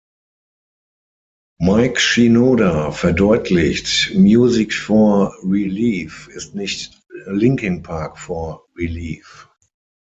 Mike Shinoda verdeutlicht: „Music for Relief ist nicht Linkin Park for Relief“.